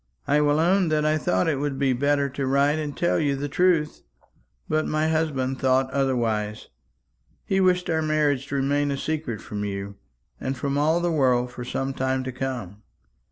I will own that I thought it would be better to write and tell you the truth; but my husband thought otherwise. He wished our marriage to remain a secret from you, and from all the world for some time to come.